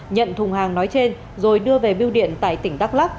nhận thùng hàng nói trên rồi đưa về bưu điện tại tỉnh đắk lắk